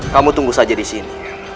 kamu tunggu saja di sini